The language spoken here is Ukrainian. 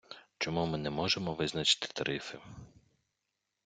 Чому ми не можемо визначити тарифи.